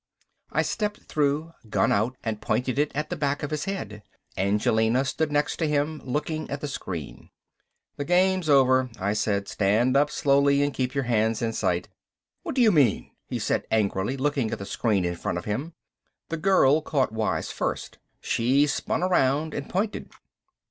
I stepped through, gun out, and pointed it at the back of his head. Angelina stood next to him, looking at the screen. "The game's over," I said. "Stand up slowly and keep your hands in sight." "What do you mean," he said angrily, looking at the screen in front of him. The girl caught wise first. She spun around and pointed.